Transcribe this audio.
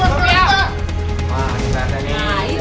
wah ini dia